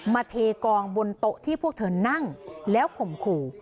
เทกองบนโต๊ะที่พวกเธอนั่งแล้วข่มขู่